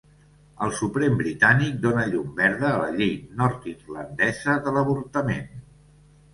El Suprem britànic dona llum verda a la llei nord-irlandesa de l'avortament